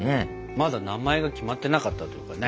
まだ名前が決まってなかったというかね。